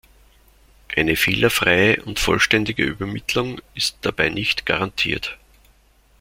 Eine fehlerfreie und vollständige Übermittlung ist dabei nicht garantiert.